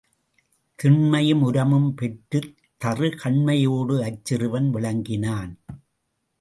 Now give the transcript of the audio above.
திண்மையும் உரமும் பெற்றுத் தறு கண்மையோடு அச்சிறுவன் விளங்கினான்.